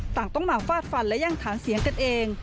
ต้องมาฟาดฟันและแย่งฐานเสียงกันเอง